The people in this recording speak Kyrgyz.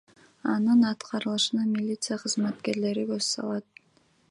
Анын аткарылышына милиция кызматкерлери көз салат.